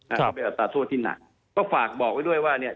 เอาไปเอาตัดโทษที่หนักก็ฝากบอกไว้ด้วยว่าเนี่ย